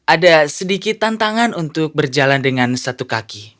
ada sedikit tantangan untuk berjalan dengan selamat